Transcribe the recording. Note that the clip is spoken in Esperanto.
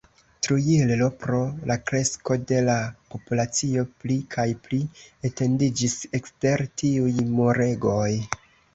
Trujillo, pro la kresko de la populacio, pli kaj pli etendiĝis ekster tiuj muregoj.